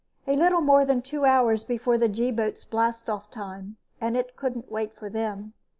A little more than two hours before the G boat's blastoff time, and it couldn't wait for them.